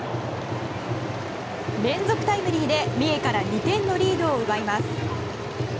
連続タイムリーで、三重から２点のリードを奪います。